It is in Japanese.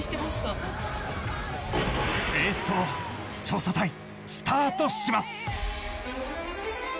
調査隊スタートします。